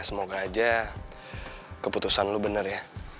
ya semoga aja keputusan lo bener ya